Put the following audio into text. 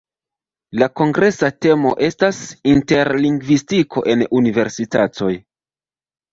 La kongresa temo estas: "Interlingvistiko en universitatoj".